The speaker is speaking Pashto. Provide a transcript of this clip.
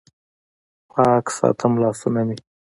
پاک ساتم لاسونه مې